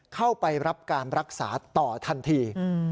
เข้าไปรับการรักษาต่อทันที